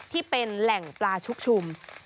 ที่เป็นแหล่งปลาชุกชุม